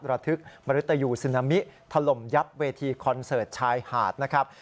ระทึกมริตยูซึนามิถล่มยับเวทีคอนเสิร์ตชายหาดนะครับ